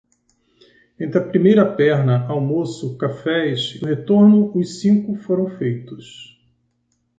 Entre a primeira perna, almoço, cafés e o retorno os cinco foram feitos.